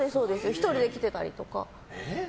１人で来てたりとか。